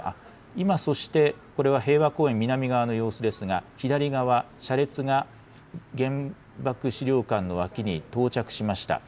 今、そしてこれは平和公園南側の様子ですが、左側、車列が原爆資料館の脇に到着しました。